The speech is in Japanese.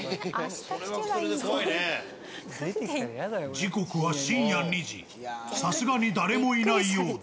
時刻はさすがに誰もいないようだ。